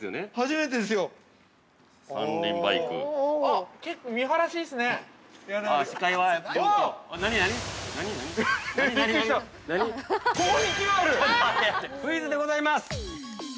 クイズでございます。